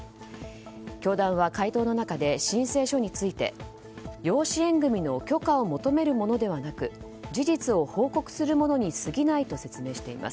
教団は回答の中で申請書について養子縁組の許可を求めるものではなく事実を報告するものにすぎないと説明しています。